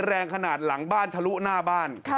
แรงขนาดหลังบ้านทะลุหน้าบ้าน